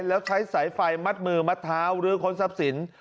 แล้วใช้สายไฟมัดมือมัดเท้าหรือค้นทรัพย์สิน